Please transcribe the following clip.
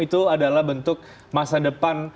itu adalah bentuk masa depan